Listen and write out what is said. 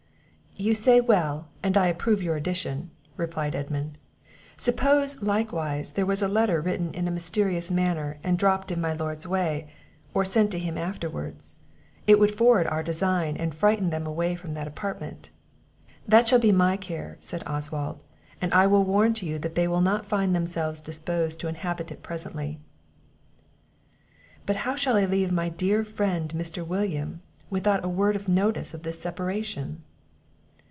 "You say well, and I approve your addition," replied Edmund. "Suppose, likewise, there was a letter written in a mysterious manner, and dropt in my lord's way, or sent to him afterwards; it would forward our design, and frighten them away from that apartment." "That shall be my care," said Oswald; "and I will warrant you that they will not find themselves disposed to inhabit it presently." "But how shall I leave my dear friend Mr. William, without a word of notice of this separation?"